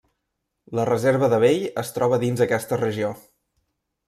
La reserva de Bay es troba dins aquesta regió.